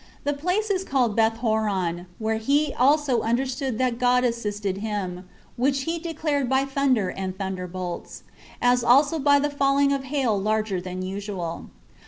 The place is called Bethhoron; where he also understood that God assisted him, which he declared by thunder and thunderbolts, as also by the falling of hail larger than usual.